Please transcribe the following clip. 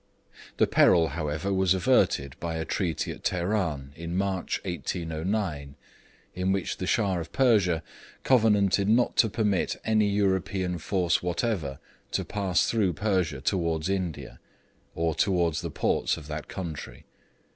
The peril, however, was averted by a treaty at Teheran in March 1809, in which the Shah of Persia covenanted not to permit any European force whatever to pass through Persia towards India, or towards the ports of that country.